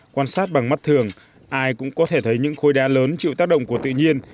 quan sát bằng mắt thường ai cũng có thể thấy những khối đá lớn chịu tác động của tự nhiên